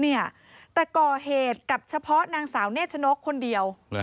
แต่ก่อเหตุกับเฉพาะนางสาวเนชนกคนเดียว